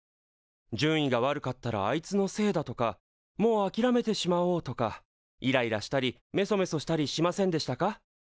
「順位が悪かったらあいつのせいだ」とか「もうあきらめてしまおう」とかイライラしたりめそめそしたりしませんでしたか？